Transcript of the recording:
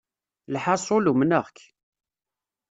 Lḥaṣul, umneɣ-k.